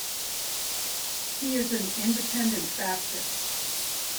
He is an Independent Baptist.